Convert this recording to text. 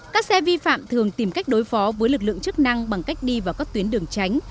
các xe vi phạm thường tìm cách đối phó với lực lượng chức năng bằng cách đi vào các tuyến đường tránh